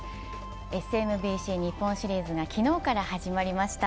ＳＭＢＣ日本シリーズが昨日から始まりました。